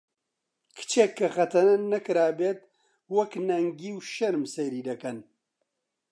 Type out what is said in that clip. کچێک کە خەتەنە نەکرابێت وەک نەنگی و شەرم سەیری دەکەن